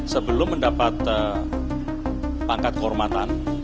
sebelum mendapat pangkat kehormatan